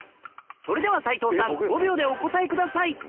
それでは斎藤さん５秒でお答えください